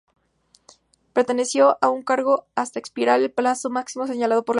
Permaneció en su cargo hasta expirar el plazo máximo señalado por la ley.